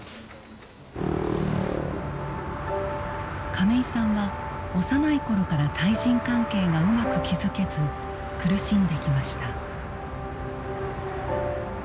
亀井さんは幼い頃から対人関係がうまく築けず苦しんできました。